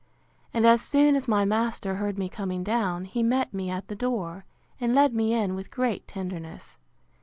And as soon as my master heard me coming down, he met me at the door, and led me in with great tenderness.